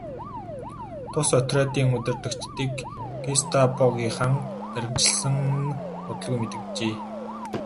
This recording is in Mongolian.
Тус отрядын удирдагчдыг гестапогийнхан баривчилсан нь удалгүй мэдэгджээ.